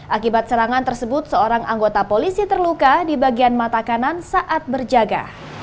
akibat serangan tersebut seorang anggota polisi terluka di bagian mata kanan saat berjaga